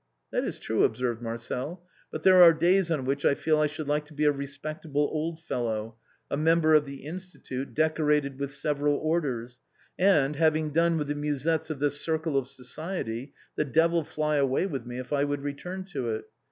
"" That is true," observed Marcel, " but there are days on which I feel I should like to be a respectable old fellow, a member of the Institute, decorated with several orders, and, having done with the Musettes of this circle of society, the devil fly away with me if I would return to it.